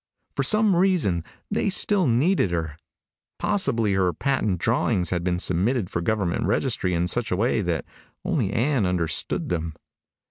For some reason they still needed her. Possibly her patent drawings had been submitted for government registry in such a way that only Ann understood them.